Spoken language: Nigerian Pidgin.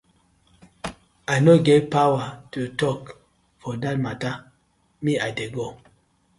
I no get powaar to tok for dat matta, me I dey go.